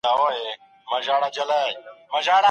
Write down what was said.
د ايلاء د مدې تر ختميدو وروسته څه پيښيږي؟